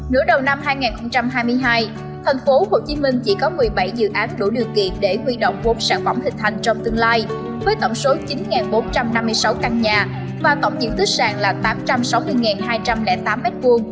nửa đầu năm hai nghìn hai mươi hai tp hcm chỉ có một mươi bảy dự án đủ điều kiện để huy động vốn sản phẩm hình thành trong tương lai với tổng số chín bốn trăm năm mươi sáu căn nhà và tổng diện tích sàn là tám trăm sáu mươi hai trăm linh tám m hai